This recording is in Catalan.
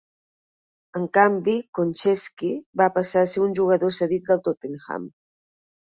En canvi, Konchesky va passar a ser un jugador cedit del Tottenham.